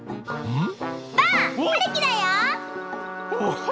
うん！